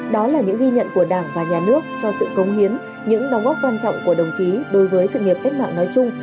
đó là những ghi nhận của đảng và nhà nước cho sự công hiến những đóng góp quan trọng của đồng chí đối với sự nghiệp cách mạng nói chung